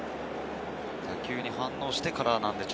打球に反応してからなんで。